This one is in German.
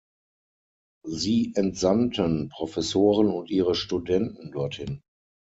Sie entsandten Professoren und ihre Studenten dorthin.